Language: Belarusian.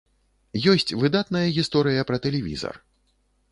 Ёсць выдатная гісторыя пра тэлевізар.